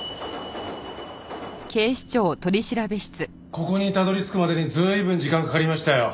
ここにたどり着くまでに随分時間かかりましたよ。